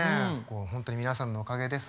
本当に皆さんのおかげです。